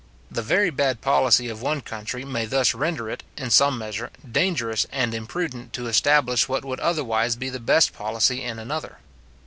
The very bad policy of one country may thus render it, in some measure, dangerous and imprudent to establish what would otherwise be the best policy in another.